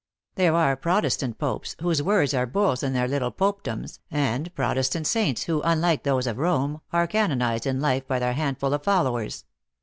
There are P)testant popes, whose words are bulls in their little popedoms, and Protestant saints who, unlike those of Rome, are canonized in life by their handful of followers."